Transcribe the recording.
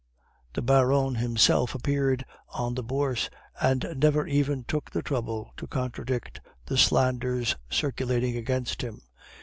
The Baron himself appeared on the Bourse, and never even took the trouble to contradict the slanders circulating against him.